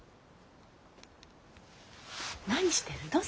何してるの？